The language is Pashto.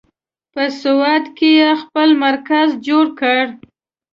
په سوات کې یې خپل مرکز جوړ کړ.